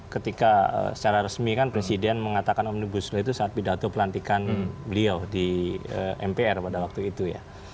ketika secara resmi kan presiden mengatakan omnibus law itu saat pidato pelantikan beliau di mpr pada waktu itu ya